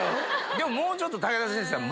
でももうちょっと武田真治さん